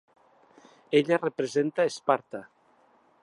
Ella representa Esparta.